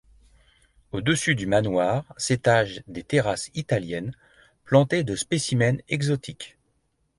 Au-dessus du manoir s'étagent des terrasses italiennes plantées de spécimens exotiques.